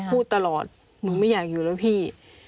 พูดตลอดหนูไม่อยากอยู่แล้วพี่